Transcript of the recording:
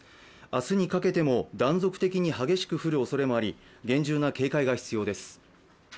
明日にかけても断続的に激しく降るおそれもあり、厳重な警戒が必要です。